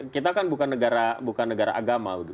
kita kan bukan negara agama